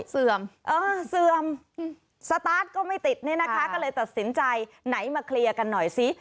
เสื่อมเออเสื่อมสตาร์ทก็ไม่ติดเนี่ยนะคะก็เลยตัดสินใจไหนมาเคลียร์กันหน่อยสิ